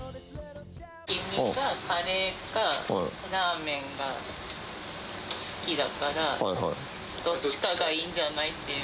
君が、カレーかラーメンが好きだから、どっちかがいいんじゃないっていう。